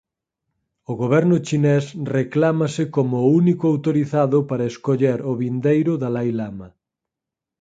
O goberno chinés reclámase como o único autorizado para escoller o vindeiro Dalai Lama.